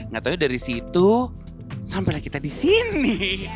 gak tau dari situ sampai lah kita di sini